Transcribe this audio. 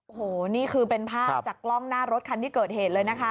โอ้โหนี่คือเป็นภาพจากกล้องหน้ารถคันที่เกิดเหตุเลยนะคะ